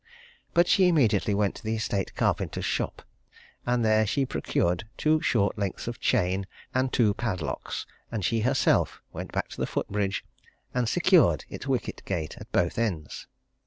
But she immediately went to the estate carpenter's shop, and there she procured two short lengths of chain, and two padlocks, and she herself went back to the foot bridge and secured its wicket gates at both ends.